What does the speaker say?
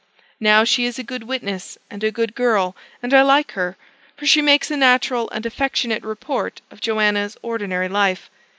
Now, she is a good witness, and a good girl, and I like her; for she makes a natural and affectionate report of Joanna's ordinary life.